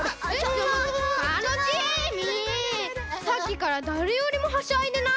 タノチーミーさっきからだれよりもはしゃいでない？